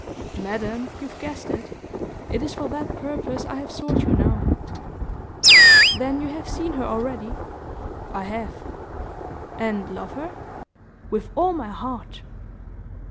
"Madam, you've guessed it. It is for that purpose I have sought you now." "Then you have seen her already?" "I have." "And love her?" "With all my heart!"